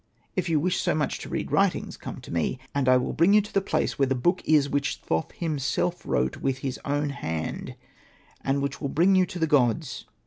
If you wish so much to read writings, come to me, and I will bring you to the place where the book is which Thoth himself wrote with his own hand, and which will bring you to the gods.